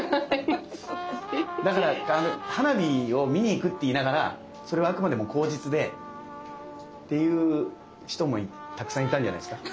だから「花火を見に行く」って言いながらそれはあくまでも口実でっていう人もたくさんいたんじゃないですか。